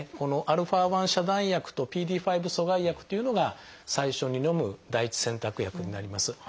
α遮断薬とＰＤＥ５阻害薬というのが最初にのむ第一選択薬になります。